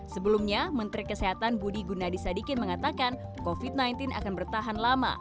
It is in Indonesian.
sebelumnya menteri kesehatan budi gunadisadikin mengatakan covid sembilan belas akan bertahan lama